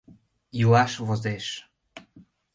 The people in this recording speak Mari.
Илаш возеш...